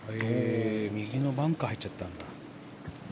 右のバンカー入っちゃったんだ。